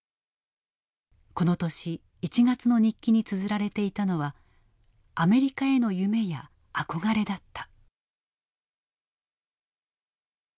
この年１月の日記につづられていたのはアメリカへの夢や憧れだった。